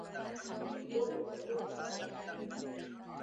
نو په لیکوالو ټولنه کې پیل شوی دی.